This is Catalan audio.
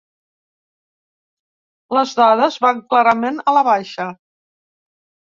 Les dades van clarament a la baixa.